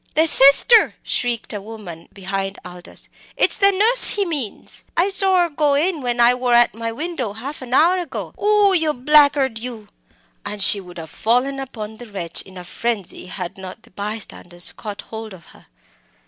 "The Sister!" shrieked a woman behind Aldous it's the nuss he means! I sor her go in when I wor at my window half an hour ago. Oh! yer blackguard, you!" and she would have fallen upon the wretch, in a frenzy, had not the bystanders caught hold of her.